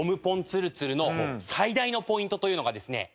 つるつるの最大のポイントというのがですね